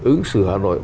ứng xử hà nội